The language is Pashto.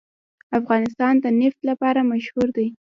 افغانستان د نفت لپاره مشهور دی.